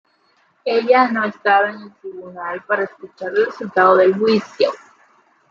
Ella no estaba en el tribunal para escuchar el resultado del juicio.